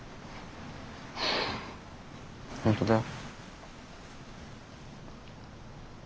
本当だよ。